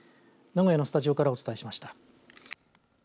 名古屋のスタジオからお伝えしました。